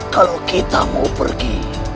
kalau kita mau pergi